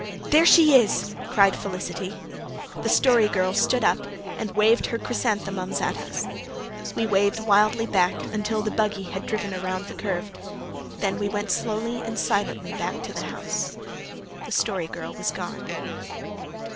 "There she is," cried Felicity. The Story Girl stood up and waved her chrysanthemums at us. We waved wildly back until the buggy had driven around the curve. Then we went slowly and silently back to the house. The Story Girl was gone.